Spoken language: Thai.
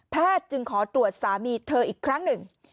จึงขอตรวจสามีเธออีกครั้งหนึ่ง